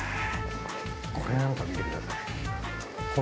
これなんか見てください。